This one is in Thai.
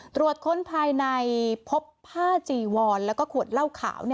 ตรวจค้นภายในพบผ้าจีวอนแล้วก็ขวดเหล้าขาว